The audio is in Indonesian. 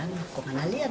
nggak ada yang lihat